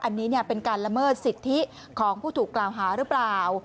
อันนี้เป็นการละเมิดสิทธิของผู้ถูกกล่าวหาหรือเปล่า